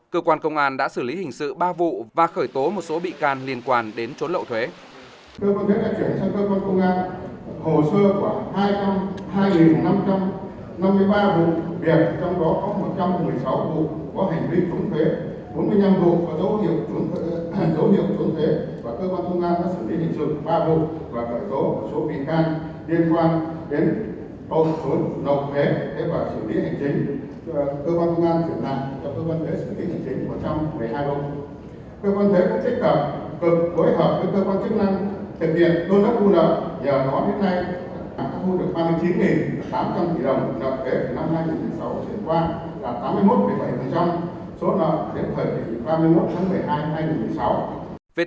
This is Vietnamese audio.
cơ quan công an đã xử lý hình sự ba vụ và khởi tố một số bị can liên quan đến trốn lộ thuế